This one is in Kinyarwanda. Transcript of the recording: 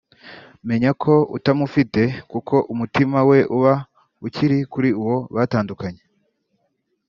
menya ko utamufite kuko umutima we uba ukiri kuri uwo batandukanye